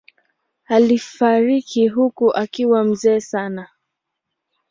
Alifariki huko akiwa mzee sana.